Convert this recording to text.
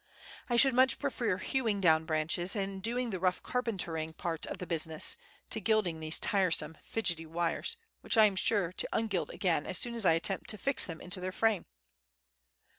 "I should much prefer hewing down branches, and doing the rough carpentering part of the business, to gilding these tiresome, fidgety wires, which I am sure to ungild again as soon as I attempt to fix them into their frame."